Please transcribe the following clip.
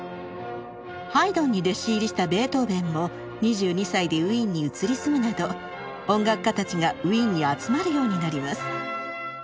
ハイドンに弟子入りしたベートーベンも２２歳でウィーンに移り住むなど音楽家たちがウィーンに集まるようになります。